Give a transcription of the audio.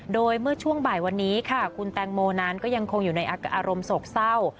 โดยเมื่อช่วงบ่ายวันนี้ค่ะคุณแตงโมนั้นก็ยังคงอยู่ในอารมณ์โศกเศร้า